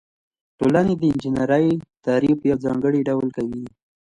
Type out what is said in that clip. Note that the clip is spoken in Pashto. ټولنې د انجنیری تعریف په یو ځانګړي ډول کوي.